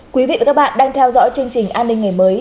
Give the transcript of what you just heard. quý vị và các bạn đang theo dõi chương trình an ninh ngày mới